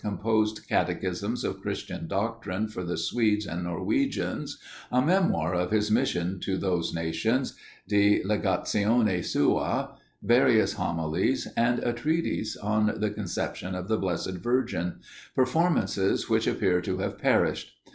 composed Catechisms of Christian Doctrine for the Swedes and Norwegians, a Memoir of his Mission to those nations de Legatione sua various Homilies, and a Treatise on the Conception of the Blessed Virgin, performances which appear to have perished.